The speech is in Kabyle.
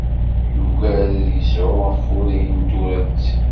Yugad ad yesɛu afurray n turett.